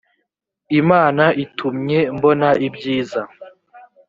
imana itumye mbona ibyiza